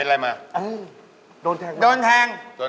กลัวหมดเลย